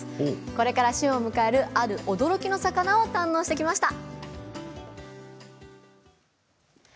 これから旬を迎える、ある驚きの魚を堪能してきました。